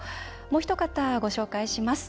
もうおひと方、ご紹介します。